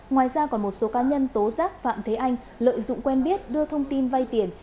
ngoài ra còn một số cá nhân tố giác phạm thế anh lợi dụng quen biết đưa thông tin vay tiền